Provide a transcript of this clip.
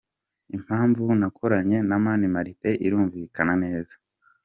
Impamvu nakoranye na Mani Martin irumvikana neza.